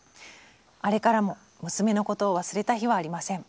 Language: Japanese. あれからも娘のことを忘れた日はありません。